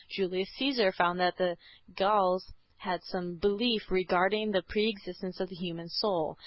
Julius Caesar found that the Gauls had some belief regarding the pre existence of the human soul.